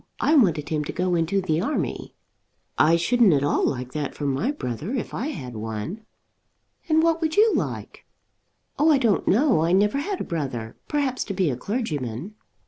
I wanted him to go into the army." "I shouldn't at all like that for my brother if I had one." "And what would you like?" "Oh, I don't know. I never had a brother; perhaps to be a clergyman."